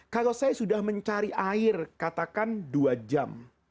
kalau saya sudah mencari air katakan dua jam